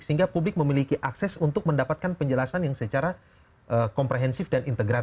sehingga publik memiliki akses untuk mendapatkan penjelasan yang secara komprehensif dan integram